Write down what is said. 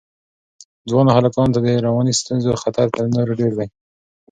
ځوانو هلکانو ته د رواني ستونزو خطر تر نورو ډېر دی.